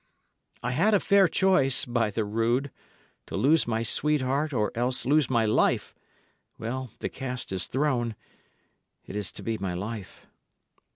I had a fair choice, by the rood! to lose my sweetheart or else lose my life! Well, the cast is thrown it is to be my life."